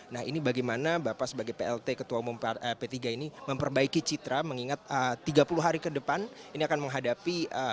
nah ini bagaimana bapak sebagai plt ketua umum p tiga ini memperbaiki citra mengingat tiga puluh hari ke depan ini akan menghadapi